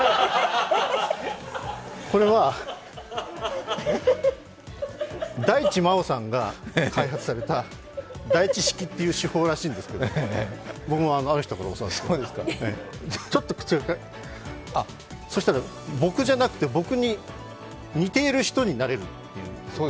これは大地真央さんが開発された大地式という方法らしいんですけど、ちょっと口を、そうしたら僕じゃなくて、僕に似ている人になれるっていう。